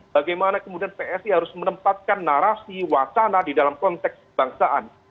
bagaimana kemudian psi harus menempatkan narasi wacana di dalam konteks kebangsaan